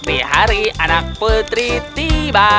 di hari anak putri tiba